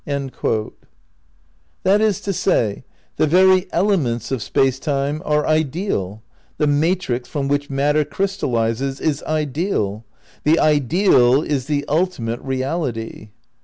* That is to say, the very elements of Space Time are ideal, the matrix from which matter crystallises is ideal. The ideal is the ultimate reality.